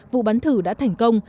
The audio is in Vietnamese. vụ bắn thử đã thành công